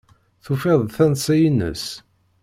Tufiḍ-d tansa-ines?